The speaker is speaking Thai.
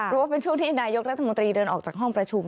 ว่าเป็นช่วงที่นายกรัฐมนตรีเดินออกจากห้องประชุม